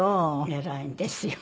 偉いんですよ。